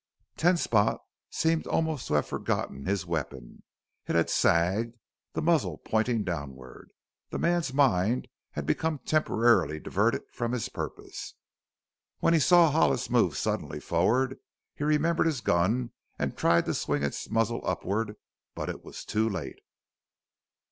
Ten Spot seemed almost to have forgotten his weapon; it had sagged, the muzzle pointing downward the man's mind had become temporarily diverted from his purpose. When he saw Hollis move suddenly forward he remembered his gun and tried to swing its muzzle upward, but it was too late.